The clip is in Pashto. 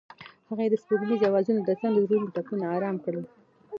هغې د سپوږمیز اوازونو ترڅنګ د زړونو ټپونه آرام کړل.